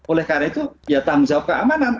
oleh karena itu ya tanggung jawab keamanan